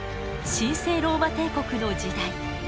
神聖ローマ帝国の時代。